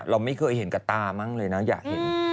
เราไม่เคยเห็นกับตามั่งเลยนะอยากเห็น